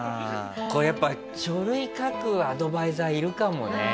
やっぱ書類書くアドバイザーいるかもね。